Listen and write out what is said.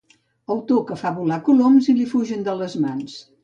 Autor que fa volar coloms i li fugen de les mans.